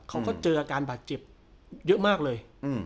เขาก็เจออาการบาดเจ็บเยอะมากเลย